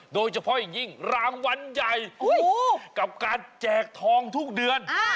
โดยเฉพาะอย่างยิ่งรางวัลใหญ่กับการแจกทองทุกเดือน